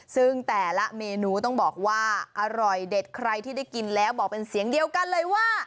ซึ่งแต่ละเมนูต้องบอกว่าอร่อยเด็ดใครที่ได้กินแล้วบอกเป็นเสียงเดียวกันเลยว่า